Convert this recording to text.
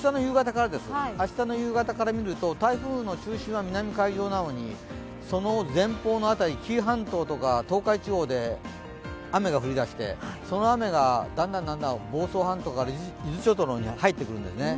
明日の夕方から見ると、台風の中心は南海上なのにその前方の紀伊半島とか、東海地方で雨が降りだしてその雨がだんだん房総半島から伊豆諸島の方に入ってくるんですね。